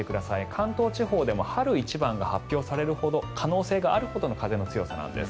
関東地方でも春一番が発表される可能性があるほどの風の強さなんです。